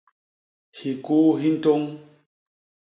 Hikuu hi ntôñ.